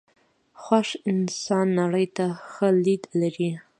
خوښ انسانان نړۍ ته ښه لید لري .